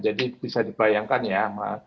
jadi bisa dibayangkan ya